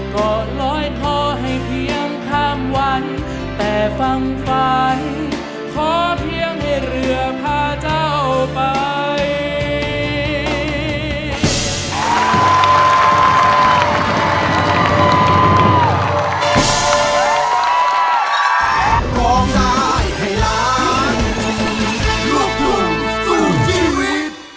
ก็ลอยคอให้เพียงข้ามวันแต่ฟังฝันขอเพียงให้เรือพาเจ้าไป